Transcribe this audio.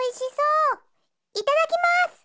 いただきます！